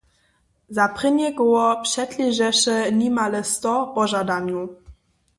Za prěnje koło předležeše nimale sto požadanjow.